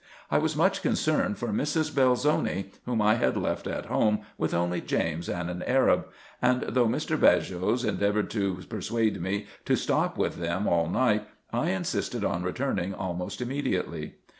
I Avas much concerned for Mrs. Belzoni, whom I had left at home with only James and an Arab ; and though Mr. Baghos endeavoured to persuade me to stop with them all night, I insisted on returning almost immediately.